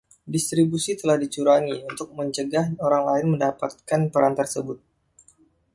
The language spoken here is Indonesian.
Distribusi telah dicurangi untuk mencegah orang lain mendapatkan peran tersebut.